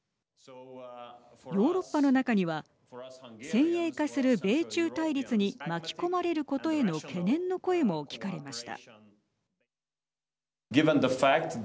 ヨーロッパの中には先鋭化する米中対立に巻き込まれることへの懸念の声も聞かれました。